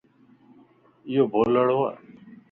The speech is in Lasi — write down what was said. ايو بولڙووَ